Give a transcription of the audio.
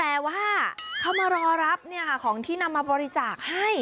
แต่ว่าเขามารอรับของที่นำมาบริจาคให้